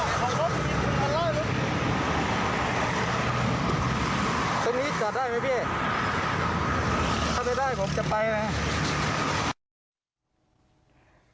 ตรงนี้จอดได้ไหมเฮ่ยถ้าไม่ได้ผมจะไปเลย